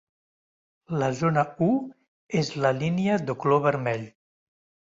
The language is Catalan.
La zona u és la línia de color vermell.